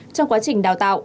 trong quá trình đào tạo